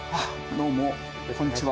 「どうも、こんにちは」